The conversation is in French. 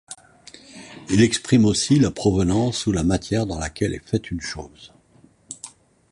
Il exprime aussi la provenance ou la matière dans laquelle est faite une chose.